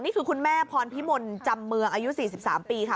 คุณแม่พรพิมลจำเมืองอายุ๔๓ปีค่ะ